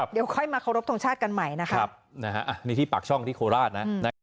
เดี๋ยวค่อยมารบทงชาติกันใหม่นะคะ